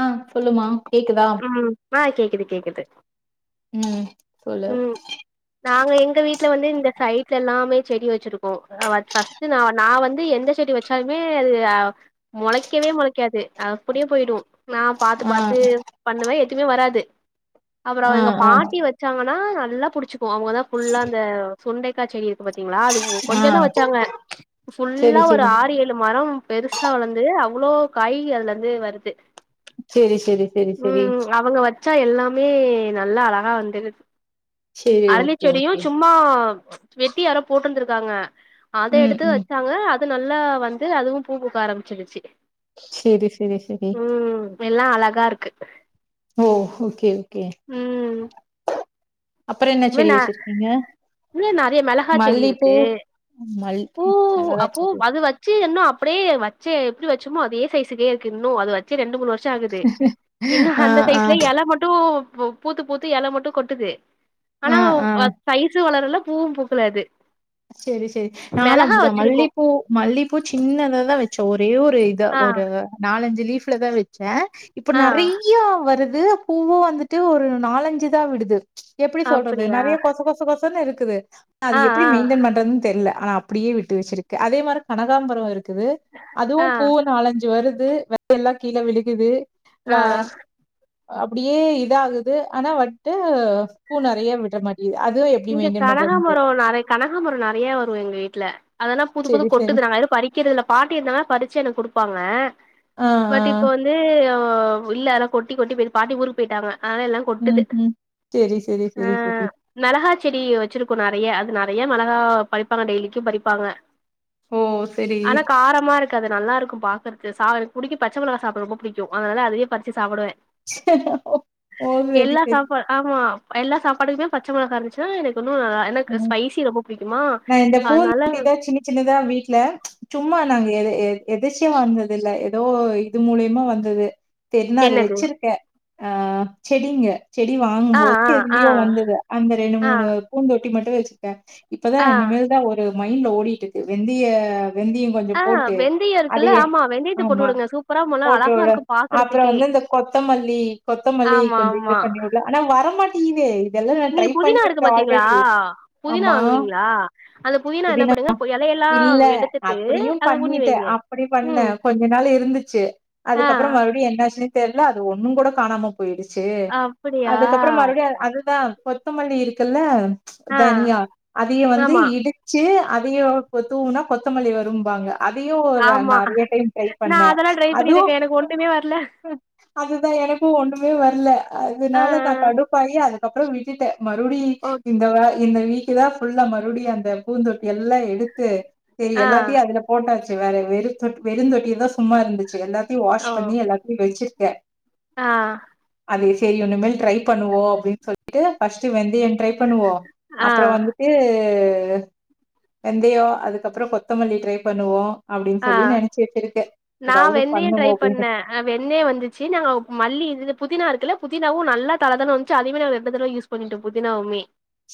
ஆ சொல்லுமா கேக்குதா ம் ஆ கேக்குது கேக்குது ம் சொல்லு ம் நாங்க எங்க வீட்ல வந்து இந்த சைட்ல எல்லாமே செடி வச்சிருக் கோ வ ஃபஸ்ட்டு நா நா வந்து எந்த செடி வச்சாலுமே அது மொளைக்கவே மொளைக் காது அப்டியே போயிடு நா பாத்து ஆ பாத்து பண்ணுவே எதுமே வராது அப்றோ ஆ எங்க ஆ பாட்டி வச்சாங்கன்னா நல்லா புடிச்சிக்கு அவங்கதா ஃபுல்லா அந்த சுண்டைக் கா செடி இருக்கு பாத்தீங்களா அது வ் ஆ கொஞ்சதா வச்சாங்க செரி ஃபுல்லா ஒரு செரி ஆறு ஏ ழு மரம் பெருசா வளந்து அவ்ளோ காய் அதுல இருந்து வருது செரி செரி செரி செரி ம் அவங்க வச்சா எல்லாமே நல்லா அழகா வந்துடுத் செரி ஓகே அரளிச்செடியு ஓகே சும்மா வெட்டி யாரோ போட்ருந்திருக்காங்க அத ம் எடுத்து ம் வச்சாங்க அது நல்லா வந்து அதுவும் பூ பூக்க ஆரம்பிச்சிடுச்சு சேரி சேரி சேரி எல்லா அழகா இருக்கு ஓ ஓகே ஓகே ம் அப்றோ என்ன இன்னு செடி ந வச்சிருக்கீங்க இன்னு நெறைய மெளகா செடி மல்லிப்பூ இருக்கு மல் பூ அ மிளகா பூ செடி அது வச் சு இன்னு அப்டியே வச்ச எப்டி வச்சோமோ அதே சைஸுக்கே இருக்கு இன்னு அது வச்சு ரெண்டு மூணு வருஷ் சா ஆகுது இன்னு ஆ அந்த ஆ சைஸ்லே எல மட்டு பூ பூத்து பூத்து எல மட்டு கொட்டுது ஆ ஆனா ஆ வ சைசு வளரல பூவு பூக்கல அது செரி செரி நானு மெளகா அப்டிதா வச்சிருக்கோ மல்லிப்பூ மல்லிப்பூ சின்னதா தா வச்சே ஒரே ஒரு இதா ஆ ஒரு நாலஞ்சு லீப்லதா வச் ச இப்ப ஆ நெறைய வருது பூவு வந்துட்டு ஒரு நாலஞ்சுதா விடுது எப்டி சொல்றது அப்டியா நெறைய கொச கொச கொசன்னு இருக்குது அது ஆ எப்டி ஆ மெயின்டென் பண்றதுன்னு தெர்ல ஆனா அப்டியே விட்டு வெச்சிருக்கே அதே மாரி கனகாம்பரோ இரு க்குது அதுவு ஆ பூ நாலஞ்சு வருது வேற எல்லா கீழ விழுகுது வா ஆ அப்டியே இதா ஆகுது ஆனா வந்ட்டு பூ நெறைய விட மாட்டீ அதுவு எ இங்க கனகாமரோ நெற கனகாமரோ நெறைய வரு எங்க வீட்ல அதென்னா புது புது செரி செரி கொட்டுது நாங்க இன்னு பறி கிறதுல்ல பாட்டி இருந்தாங்கனா பறிச்சு எனக்கு கொடுப்பாங்க ஆ பட் ஆ இப்ப வந் து ஆ இல்ல அதல்லா கொட்டி கொட்டி போயிட்டு பாட்டி ஊருக்கு போயிட்டாங்க ஆனால எல்லா கொட்டுது ம் ம் செரி செரி ஆ செரி செரி மெளகா செடி வெச்சிருக்கோ நெறைய அது நெறைய மெளகா பறிப்பாங்க டெய்லிக்கு பறிப்பாங்க ஓ! சரி. ஆனா காரமா இருக் கது நல்லார்க்கு பாக்கறது சா புடிக்கு பச்ச மொளகா சாப்ட ரொம்ப புடிக்கு அனால அதயே பறிச்சு சாப்டுவே போது வை எல்லா பேயி சாப்பா ஆமா எல்லா சாப்பாட்டுக்குமே பச்ச மொளகா இருந்துச்சன்னா எனக்கு இன்னு ஆ எனக்கு ம். ஸ்பைசி ரொம்ப புடிக்குமா நான் இந்த அதனால பூந்தொட்டி தான் சின்ன சின்னதா வீட்ல சும்மா நாங்க எத எ எதாச்சு வந்தது இல்ல ஏதோ இது மூலியமா வந்தது தெரி நா அது என்னது வெச்சிருக்கே ஆ செடிங்க செடி ஆ ஆ வாங்கும்போது எதுலயோ ஆ வந்தது அந்த ரெண்டு ஆ மூணு பூந்தொட்டி மட்டு வெச்சுக்ட்டே இப் பதா ஆ என்னிமேல் தா ஒரு மைண்ட்ல ஓடிட்டு இருக்கு வெந்திய வெந்தியு கொஞ்ச ஆ போட்டு வெந்தயோ இருக்குல்ல அதையே ஆமா வெந்தயத்த போட்டு ஆமா வுடுங்க சூப்பரா மொள அழகா போட்டுட இருக்கு அப்புற பாக்குறதுக்கே வந்து இந்த கொத்தமல்லி கொத்தமல்லி ஆமா கொஞ்ச இது ஆமா பண்ணி விடு ஆனா வரமாட்டிகிதே இதெல்லா நா ட்ரை நீங்க புதினா பண்ணி இருக்கு இருக்கே பாத்தீங்களா ஆல்ரெடி புதினா ஆமா வாங்குவீங்களா அந்த என்ன புதினா பண்ணுங்க பொ எலையெல்லா இல்ல எடுத்துட்டு அப்டியு அத ஊனி பண்ணிட்டே வைங்க அப்டி பண்ண ம் கொஞ்ச நாள் இருந்துச்சு ஆ அதுக்கப்புற மறுபடியு என்னச்சுன்னு தெர்ல அது ஒண்ணு கூட காணாம போயிடுச்சு அப்டியா அதுக்கப்புறோ மறுபடியு அ அதுதா கொத்தமல்லி இருக்குல்ல ஆ தனியா அதையு வந்து ஆமா இடு ச்சு அதையு கு தூவுனா கொத்தமல்லி வரும்பாங்க அதையு அதா ஆமா நெறைய டைம் ட்ரை நா பண்ணே அதெல்லா ட்ரை அதுவு பண்ணிருக்கே எனக்கு ஒண்ணுமே வரல அதுதா எனக்கு ஒண்ணுமே வர்ல ஆ அதுனால நா ஆ கடுப்பாயி அது க்கப்புறோ விட்டுட்டே மறுபடியு ஓ இந்த வ இந்த வீக்கு தா ஃபுல்லா மறுபடியு அந்த பூந்தொட்டி எல்லா எடுத்து சரி ஆ எல்லாத்தையு அதுல போட்டாச்சு வேற வெறுந் தொட் வெறுந் தொட்டியதா சும்மா இருந்துச்சு எல்லா த்தியு ஓ வாஷ் பண்ணி எல்லாத்தையு வெச்சிருக்க ஆ அது சரி ஒன்னுமேல் ட்ரை பண்ணுவோ அப்டின்னு சொல்லிட்டு ஃபஸ்ட் வெந்தய ட்ரை பண்ணுவோ ஆ அப்புறோ வந்து ட்டு வெந்தயோ அதுக்கப்புறோ கொத்தமல்லி ட்ரை பண்ணுவோ அப்டின்னு சொல்லி ஆ நெனச்சிட்டு இருக்கே ஏதாவது பண்ணுவோ அப்டின்னு ஆ வெண்ணய வந்துச்சு நாங்க மல்லி இது புதினா இருக்குல்ல புதினாவு நல்லா தல தனு வந்துச்சு அதையு நா ரெண்டு தடவ யூஸ் பண்ணிட்டு புதினாவுமே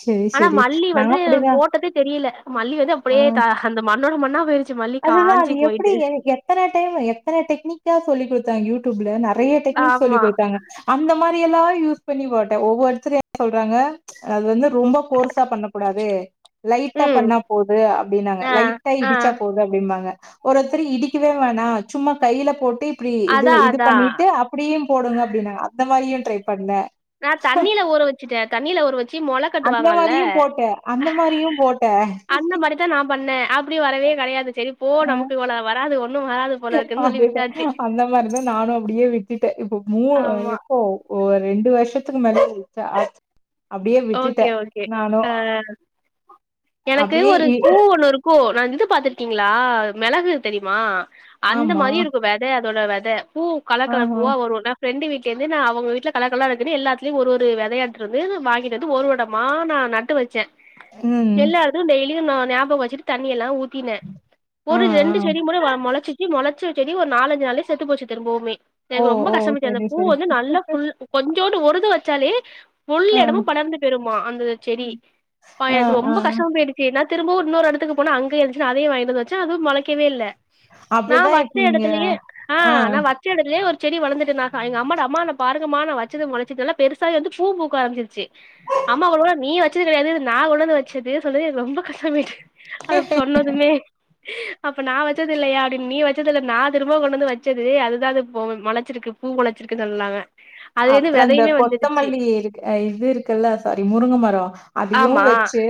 சரி ஆனா சரி மல்லி நா வந்து அப்டிதா போட்டதே தெரியில மல்லி வந்து அப்டியே ஆ த அந்த மண்ணோட மண்ணா போயிருச்சு மல் அதுதா அது எப்டி என் எத் தன டைமு எத்தன டெனிக்கா சொல்லிக் குடுத்தாங்க யூடியூப்ல நறைய டெக்னிக் ஆமா சொல்லிக் குடுத்தாங்க அந்த மாரி எல்லா யூஸ் பண்ணி போட்டே ஒவ்வொருத்தரு என்ன சொல்றாங்க அது வந்து ரொம்ப போர்சா பண்ண கூடாது லைட்ட ம் பண்ணா போது அப்படின்னாங்க ஆ லைட்ட ஆ இடிச்சா போது அப்படிம்பாங்க ஒரு ஒருத்தர் இடிக்கவே வேணா சும்மா கைல போட்டு அப்டி இது அதா இது அதா பண்ணிட்டு அப்டியு போடுங்க அப்டின்னாங்க அந்த மாரியு ட்ரை பண்ண நா தண்ணில ஊற வச்சுட்ட தண்ணில ஊற வச்சு மொள அந்த கட்டுவாங்கல்ல மாரியு போட்டே அந்த மாரியு போட்டே அந்த மாரிதா நா பண்ண அப்டி வரவே கெடையாது சரி போ நமக்கு இவ்ளோ வராது ஒன்னு வராது போல இருக்குன்னு சொல்லி அதேதா விட்டாச்சு அந்த மாரிதா நானு அப்டியே விட்டுட்ட இப்ப மூ ஆமா எப்போ ஓ ரெண்டு வருஷத்துக்கு மேலயே வந்துச்சா அப்டியே விட்டுட்ட ஓகே ஓகே நானு ஆ எனக்கு ஒரு பூ ஒன்னு இருக் பூ நா இது பாத்திருக்கீங்ளா மிளகு தெரியுமா அந்த ஆமா. மாரி இருக்கு வெத அதோட வெத பூ கலர்க்கலர் ஆஹா. பூவா வருல ஃபிரெண்டு வீட்லயுமே நா அவங்க வீட்ல கலர்கலரா இருக்குன்னு எல்லாத்துலயு ஒரு ஒரு வெத எடுத்து வந்து வாங்கி எது ஒருவடமா நா நட்டு வச்ச ம். எல்லா எடத்துக்கு டெய்லியு ந ஞாபக வச்ட்டு தண்ணி எல்லா ஊ தின ஆ, ஒரு ஆ. ரெண்டு செடி முற மொளச்சிச்சு மொள ச்சு ஒரு நாலஞ்சு நாள்லயே செத்து போச்சு திரும்பவுமே ஓ, எனக்கு ரொம்ப ஓ! கஷ்டமாச்சு அந்த சரி, பூ சரி. வந்து நல்ல கொஞ்சோன்னு ஒருது வச்சாலே ஃபுல் ஆ, இடமு படர்ந்து போயிருமா அந்த செடி ஆ, எனக்கு ஆ. ரொம்ப கஷ்டமா போயிடு சரி நா திரும்ப இன்னொரு இடத்துக்கு போன அங்க இருந்துச்சு அதயு வாங்கிட்டு வந்து வச்ச அதுவு மொளைக்கவே இல்ல நா அப்படிதான் வச்ச இப்ப இங்க எடத்துலயே ஆ நான் வச் வச்ச இடத்துலயே ஒரு செடி வளர்ந்துட்டுந்தாக எங்க அம்மாகிட்ட அம்மா இங்க பாருங்கமா நா வச்சது மொளச்சி நல்லா பெருசா வந்து பூ பூக்க ஆரம்ப்சிருச்சு ஆ அம்மா ஒரு வேல நீ வச்சது கெடையாது நா கொண்டு வந்து வச்சது சொன்னது எனக்கு ரொம்ப கஷ்டமாயிட்டு அத சொ சொன்னதுமே அப்ப நா வச்சது இல்லயா அப்டின் நீ வச்சது இல்ல நா திரும்ப கொண்டு வந்து வச்சது அதுதா இப்போ மொளச்சிருக்கு பூ மொளச்சிருக்குன் சொன்னாங்க அதுலருந்து அப்பற இந்த வெதையுமே வந்துருச்சு கொத்தமல்லி இருக் இது இருக்குல்ல சாரி முருங்கை மர அதயு ஆமா வச்சு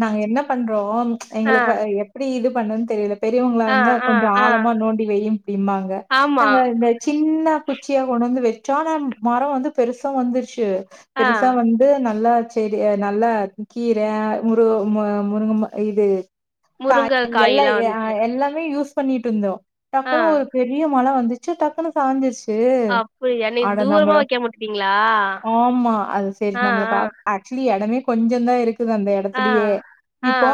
நாங்க என்ன பண்றோ ஆ எங்களுக்கு எப்டி இது பண்ணன் தெரியல பெரியவங்களா ஆ இருந்தா ஆ கொஞ்சோ ஆ ஆழமா நோண்டி வையி இப்டிபாங்க ஆமா நாங்க இந்த சின்ன குச்சியா கொண்டு வந்து வச்சோ ஆனா மர வந்து பெருசா வந்துருச்சு ஆ பெருசா வந்து அது நல்லா செடி நல்லா கீர முரு முருங்க இது கா முருங்க எல்லா காயெல்லா வந்துச்சு எல்லாமே யூஸ் பண்ணிட்டு இருந்தோ ஆ டக்குனு ஒரு பெரிய மழ வந்துச்சு டக்குன்னு சாஞ்சிருச்சு புரியுதா என்னய அட தூரமா நம்மள வைக்காம உட்டுட்டீங்ளா ஆமா. அது சரி ஆ நம்மளுக்கு ஆ ஆக்சுவலி இடமே கொஞ்சோதா இருக்கு அந்த ஆ ஆ இடத்துலயே ஆ இப்போ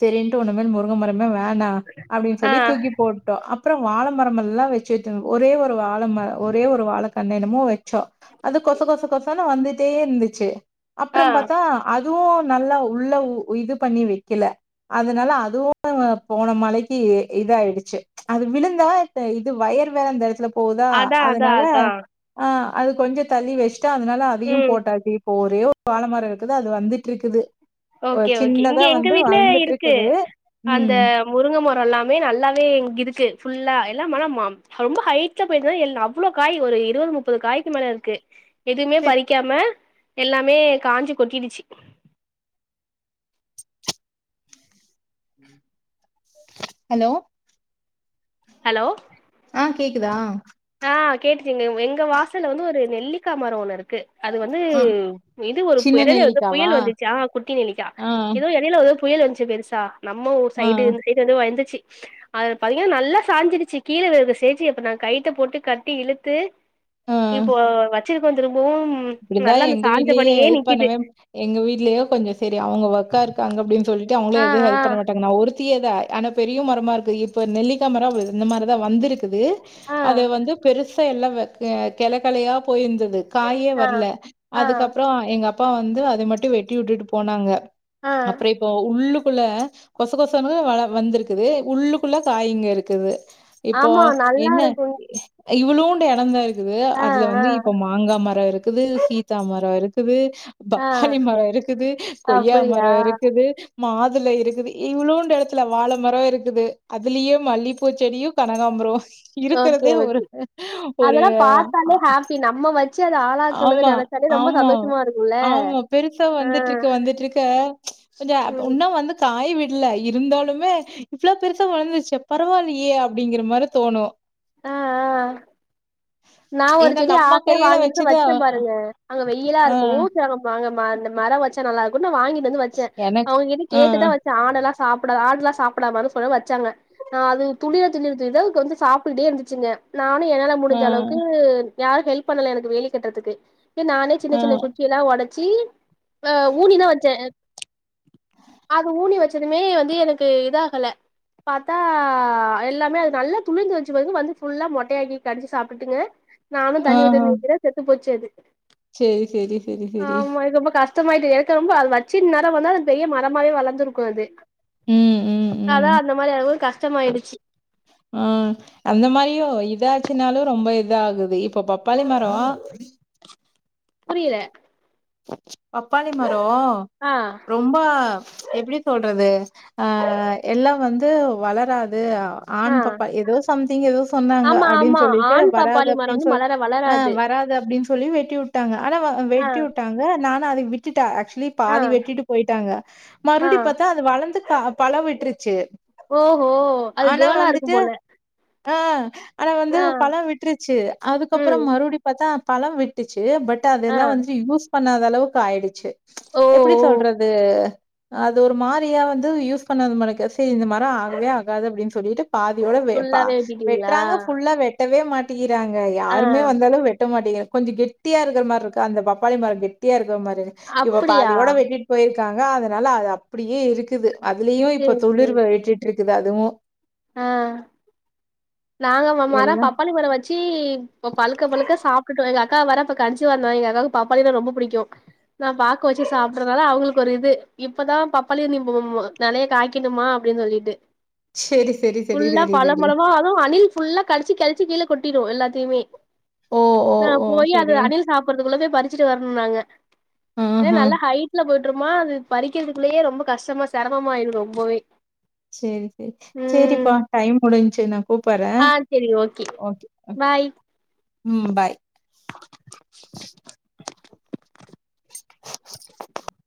செரின்ட்டு உன்னுமே முருங்க மரமே வேணா அப்டின் ஆ சொல்லி தூக்கி போட் அப்பற வாழ மரமல்லா வச்சுட்டு ஒரே ஒரு வாழமர ஒரே ஒரு வாழ என்னென்னமோ வச்சோ அது கொச கொச கொசன்னு வந்துட்டே இருந்துச்சு அப்பற ஆ பாத்தா அதுவு நல்லா உள்ள இது பண்ணி வக்கல அதனால அதுவு போன மழைக்கு இதாயிடுச்சு அது விழுந்தா இப்ப இது ஒயர் வேற அந்தடத்துல போதா அதா அதா அதனால அதா ஆ அத கொஞ்சோ தள்ளி வச்ட்டு அதனால அதையு ம் போட்டாதி போறு வாழமர இருக்குது அது வந்துட்ருக்குது அ ஓகே ஓகே இங்க சின்னதா எங்க வந்து வீட்ல இருக்கு வளர்ந்துட்ருக்குது. ம். அந்த முருங்க மரோ எல்லாமே நல்லாவே இருக்கு ஃபுல்லா எல்லா மன மா ரொம்ப ஹைட்ல போய்ட்னால எல் அவ்ளோ காய் ஒரு இருவது முப்பது காய்கு மேல இருக்கு எதுமே சரி. பறிக்காம எல்லாமே காஞ்சி கொட்டிடுச்சி ஹலோ ஹலோ ஆ கேக்குதா ஆ கேட்டுச்சிங்க எங்க வாசல்ல வந்து ஒரு நெல்லிக்கா மரோ ஒண்ணு இருக்கு அது வந்து ஆ இது ஒரு பு சின்ன எடைல வந்து நெல்லிக்காவா? புயல் வந்துச்சா குட்டி நெலிக்கா ஆ, எடைய்ல வந்து ஒரு புயல் வந்துச்சு பெருசா நம்ம ஒரு ஆ, சைடுந்து டு வந்து வந்துச்சு அது பாத்தீங்கன்னா நல்லா சாஞ்சிடுச்சி கீழ விழுற ஸ்டேஜி அப்ப நா கை த்தபோட்டு கட்டி இழுத்து ஆ. இப்போ வச்சிருக்கோ திரும்பவும் ம் இப்டிதா நல்லா அந்த எங்க வீட்லயே சாஞ்சபடியே ஹெல்ப் நிக்குது பண்ணுவே எங்க வீட்லயோ கொஞ்சோ சரி அவங்ங ஒர்கா இருக்காங்க அப்டின் சொல்லிட்டு அவங்கள ஆ எது ஆ ஹெல்ப் பண்ண மாட்டாங்க நா ஒருத்தியே தா ஆனா பெரிய மரமா இருக்கு இப்ப நெல்லிக்கா மரோ இந்த மாரி தா வந்திருக்கு குது ஆ அது வந்து பெருசா எல்லா அ கெளக்கலையா போயிந்தது காயி ஆ இல்ல ஆ அதுக்கப்புறோ எங்க அப்பா வந்து அத மட்டு வெட்டி உட்டுட்டு போனாங்க ஆ அப்றோ இப்போ உள்ளுக்குள்ள கொச கொசன்னு வள வந்திருக்குது உள்ளுக்குள்ள காயிங்க இருக்குது இப்போ ஆமா நல்லா என்ன இருக்கு இவ்வளோண்டு எடோந் தா இருக்குது ஆ அதுல ஆ வந்து இப்போ மாங்கா மரோ இருக்கு இருக்குது சீதா மரோ இருக்குது ஆ பப்பாளி மரோ இருக்குது கொய்யா அப்டியா மரோ இருக்குது மாதுல இருக்குது இவ்ளோன்டு எடத்துல வாழ மரோ இருக்குது அதுலயே மல்லி பூ செடியு கனகாம்புரோ ஓகே இருக்குறதே ஒரு ஓகே ஒரு இம்ம வச் ஆமா ஆமா இருக்குல்ல ஆமா பெருசா ஆ வந்துட்ருக்க வந்துட்ருக்க கொஞ்ச ம் இன்னு வந்து காய விடல இருந்தாலுமே இவ்ளோ பெருசா வளந்துருச்சே பரவால்லயே அப்டிங்கிற மாரி தோணு ஆ ஆ நா ஒரு ஏன்னா செடி நம்ம ஆசையா கையில வாங்கிட்டு வச்சது வச்ச பாருங்க அங்க வெயிலா ஆ இருக்கவு செரி அங்க ம மரோ வச் ச்சா நல்லா இருக்குனு நா வாங்கிட்டு வந்து வச்ச எனக்கு அவங்க கிட்ட ஆ கேட்டுதா வச்ச ஆனலா சாப்டா ஆடுல்லா சாப்டாமான் சொல்லு வச் ச்சாங்க நா அதுங்க துளிர தின்னுருது இதக்கு வந்து சாப்ட்டே இருந்துச்சுங்க நானு என்னால ஆ முடிஞ்ச அளவுக்கு யாரு ஹெல்ப் பண்ணல எனக்கு வேலி கட்றதுக்கு ஏ நானே சின்ன ஆ சின்ன குச் குச்சியெல்லா ஒடச்சி ஆ ஊனிதா வெச்ச அது ஊனி வெச்சதுமே வந்து எனக்கு இதாகல பாத்தா எல்லாமே அது நல்லா துளிந்து வந் ச்சு வந்துங் வந்து ஃ புல்லா மொட்டையாக்கி கடிச்சு சாப்ட்டுட்டுங்க நானு தண்ணி ஊத் ஆஹா தண்ணி ஊத்துற செத்து போச்சு அது சரி, சரி, சரி, சரி. ஆம்மா இது ரொம்ப கஷ் ஷ்டமாய்ட்டு எனக்கு ரொம்ப அது வெச்சு இந்நேரோ வந்தா அது பெரிய மரமாவே வளந்துருக்கு அது ம், ம், அதனால தா ம். அந்த மாரி ஆவு கஷ்டமா ஆய்டுச்சி ஆ அந்த மாரியு இதாச்சுனாலு ரொம்ப இதாகுது இப்ப பப்பாளி மரோ புரியல பப்பாளி மரோ ஆ ரொம்பா எப்டி சொல்றது அ எல்லா வந்து வளராது ஆ ஆண் பாப்பா எதோ சம்திங் எதோ சொன்னாங்க ஆமா அப்டின் ஆமா சொல்லிட்டு ஆண் வராது பப்பாளி மரோ அப்டின் வந்து சொல் மலர வளராது லி அப்டின் சொல்லி வெட்டி வுட்டாங்க ஆனா வ வெ ஆ நானு அதை விட்டுடே ஆக்சுவலி ஆ பாதி வெட்டிட்டு போய்ட்டாங்க ஆ மறுப்டி பாத்தா அ து வளந்து க பழோ விட்ருச்சு ஓஹோ அது கேர்ள் லாருக்கும்போல ஆ ஆனா வந்து பழோ விட்ருச்சு அதுக்கப்றோ ம் மறுப்டி பாத்தா பழோ விட்டுச்சு பட் ஆ அதெல்லா வந்துட்டு யூஸ் பண்ணாதளவுக்கு ஆய்டுச்சு ஓ எப்டி ஓ சொல்றது அது ஒரு மாரியா வந்து யூஸ் பண்ணாத மாரிக்கு செரி இந்த மரோ ஆகவே ஆகாது அப்டின் சொல்லிட்டு பாதியோட வெ ப ஃபுல்லாவே வெட்டிட்டீங்களா வெட்றாங்க ஃபுல்லா வெட் ட்டவே மாட்டிகிறாங்க ஆ யாருமே வந்தாலு வெட்ட மாட்டேகிற கொஞ்சோ கெட்டியா இருக்ற மார்ருக்கா அந்த பப் பாளி மரோ கெட்டியா இருக்ற மாரி இப்ப அப்டியா பாதியோட வெட்டிட் போய்ருக்காங்க அதனால அது அப்டியே இருக்குது அதுலயு இப்ப சேரி சேரி துளிர்வ விட்டுட்ருக்குது அதுவு ஆ நாங்க ம மரோ எல்லா பப்பாளி மர வ ச்சி இப்ப பழுக்க பழுக்க சாப்ட்டுட்டோ எங்க அக்கா வேற அப்ப கன்சிவ்வாருந்தா எங்க அக்காக்கு பப்பாளின்னா ரொம்ப புடிக்கு நா பாக்க வச்சு சாப்டறதுனால அவுகளுக்கு ஒரு இது இப்பதா பப்பாளிய நீ மு மு ன்னாலே காய்கனுமா அப்டின் சொல்லிட்டு செரி செரி செரி ஃபுல்லா செரி பழ செரி பழமா அதுவு அணில் ஃபுல்லா கடுச்சு கழ்ச்சு கீழ கொட்டிரு எல்லாத்தயுமே ஓ ஓ நா ஓ போயி அது செரி அணில் சாப்றதுக்குள்ள போய் பறிச்சுட்டு வர்னு நாங்க ஏனா ஆஹா நல்லா ஹை ட்ல போட்ருமா அது பறிக்கிறதுக்குள்ளயே ரொம்ப கஷ்டமா செரமமாயிடு ரொம்பவே சேரி சேரி ம் சேரிப்பா டைம் முடின்ச்சு நா கூப்புறே ஆ செரி ஓகே பாய் ம் பாய்